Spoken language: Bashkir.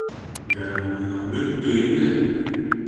Гармун уйнау бөттө инде!